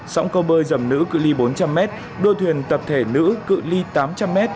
sóng câu bơi dầm nữ cự li bốn trăm linh m đua thuyền tập thể nữ cự li tám trăm linh m